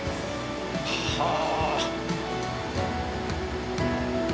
はあ。